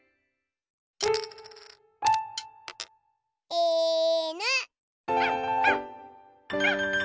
いぬ！